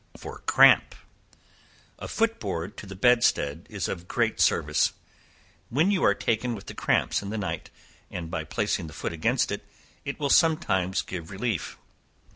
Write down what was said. For Cramp. A foot board to the bedstead is of great service, when you are taken with the cramp in the night, and by placing the foot against it, will sometimes give relief.